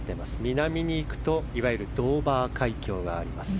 南に行くとドーバー海峡があります。